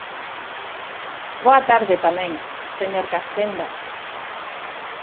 Boa tarde tamén, señor Castenda.